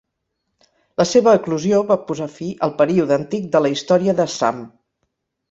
La seva eclosió va posar fi al període antic de la història d'Assam.